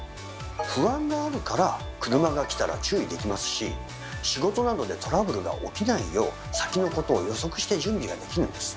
不安があるから車が来たら注意できますし仕事などでトラブルが起きないよう先のことを予測して準備ができるんです。